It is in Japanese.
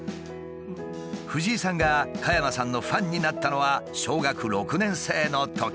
藤井さんが加山さんのファンになったのは小学６年生のとき。